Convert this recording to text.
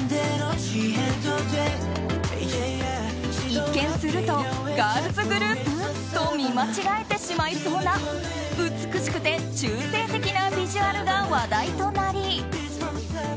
一見するとガールズグループ？と見間違えてしまいそうな美しくて中性的なビジュアルが話題となり。